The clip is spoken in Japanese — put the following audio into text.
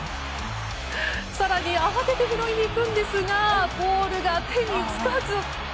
更に慌てて拾いに行くんですがボールが手につかず。